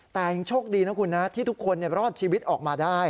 แต่ยังโชคดีนะคุณนะที่ทุกคนรอดชีวิตออกมาได้